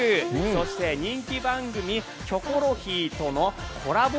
そして人気番組「キョコロヒー」とのコラボ